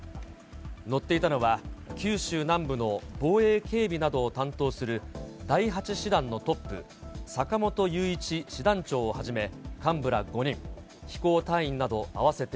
乗っていたのは、九州南部の防衛・警備などを担当する、第８師団のトップ、坂本雄一師団長をはじめ、幹部ら５人。